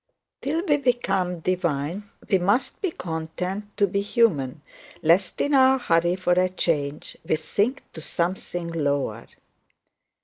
Till we can become divine we must be content to be human, lest in our hurry for change we sink to something lower.